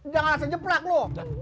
jangan langsung jeplak lo